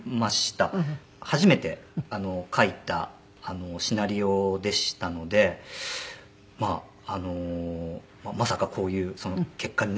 初めて書いたシナリオでしたのでまああのまさかこういう結果になるとははい。